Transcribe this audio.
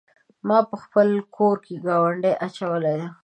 ما په خپل کور کې ګاونډی اچولی دی.